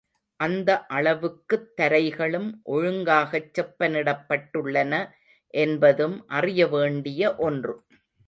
அந்த அளவுக்குத் தரைகளும் ஒழுங்காகச் செப்பனிடப்பட்டுள்ளன என்பதும் அறியவேண்டிய ஒன்று.